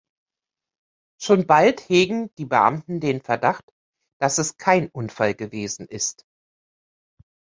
Schon bald hegen die Beamten den Verdacht, dass es kein Unfall gewesen ist.